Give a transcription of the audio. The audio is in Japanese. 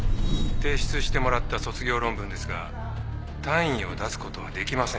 提出してもらった卒業論文ですが単位を出すことはできません